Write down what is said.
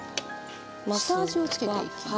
下味をつけていきます。